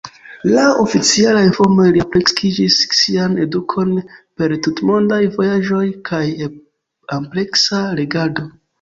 Laŭ oficialaj informoj li ampleksigis sian edukon per tutmondaj vojaĝoj kaj ampleksa legado.